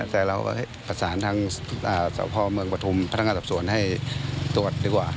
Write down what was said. แต่เราประสานทางสอบพ่อเมืองประธุมพัฒนากาศส่วนให้ตรวจดีกว่า